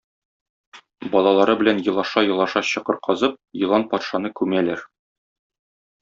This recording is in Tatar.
Балалары белән елаша-елаша чокыр казып, елан патшаны күмәләр.